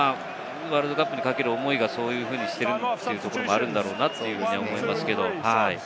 ワールドカップにかける思いがそういうふうにしているのもあるんだろうなって思いますけれども。